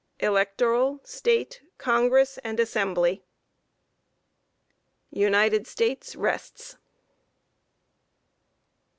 A. Electoral, State, Congress and Assembly. _United States rests.